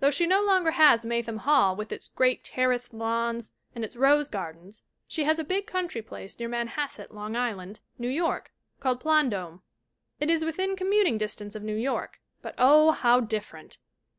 Though she no longer has Maytham Hall with its great terraced lawns and its rose gardens she has a big country place near Manhasset, Long Island, New York, called Plandome. It is within commuting dis tance of New York but oh, how different!